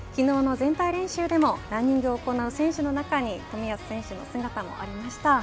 昨日の全体練習でもランニングを行う選手の中に冨安選手の姿もありました。